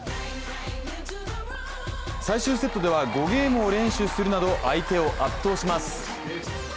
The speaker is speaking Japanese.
最終セットでは５ゲームを連取するなど相手を圧倒します。